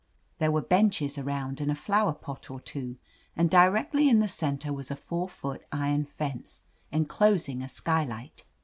There were benches around and a flower pot or two, and directly in the center was a four foot iron fence, enclosing a skylight.